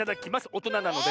おとななのでね。